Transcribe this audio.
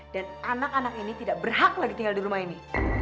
dan anak anak ini tidak berhak lagi tinggal di rumah ini